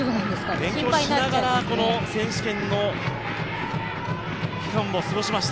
勉強しながら、この選手権の期間を過ごしました。